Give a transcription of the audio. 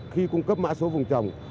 khi cung cấp mã số vùng trồng